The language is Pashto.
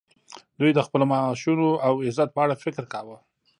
دوی د خپلو معاشونو او عزت په اړه فکر کاوه